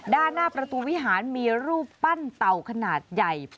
ด้านหน้าประตูวิหารมีรูปปั้นเต่าขนาดใหญ่